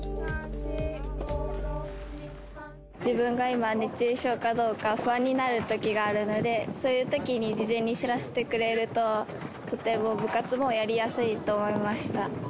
自分が今、熱中症かどうか不安になるときがあるので、そういうときに事前に知らせてくれると、とても部活もやりやすいと思いました。